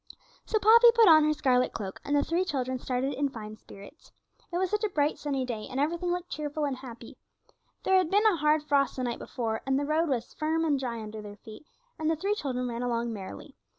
So Poppy put on her scarlet cloak, and the three children started in fine spirits. It was such a bright, sunny day, and everything looked cheerful and happy. There had been a hard frost the night before, and the road was firm and dry under their feet, and the three children ran along merrily.